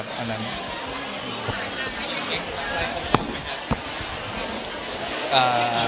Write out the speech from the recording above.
คุณค่ะ